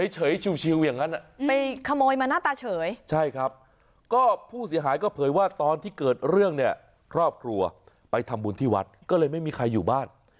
เฉยชิวอย่างนั้นไปขโมยมาหน้าตาเฉยใช่ครับก็ผู้เสียหายก็เผยว่าตอนที่เกิดเรื่องเนี่ยครอบครัวไปทำบุญที่วัดก็เลยไม่มีใครอยู่บ้าน